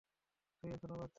তুই এখনো বাচ্চা।